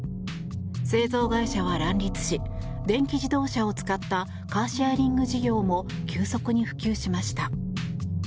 製造会社は乱立し電気自動車を使ったカーシェアリング事業も急速に普及しました。